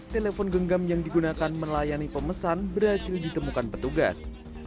telepon genggam yang digunakan melayani pemesan berhasil ditemukan petugas